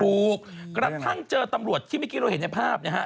ถูกกระทั่งเจอตำรวจที่เม้กี้ร้อยเห็นภาพเนี่ยฮะ